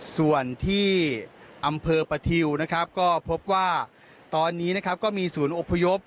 ส่วนที่อำเภอประทิวนะครับก็พบว่าตอนนี้นะครับก็มีศูนย์อบพยพ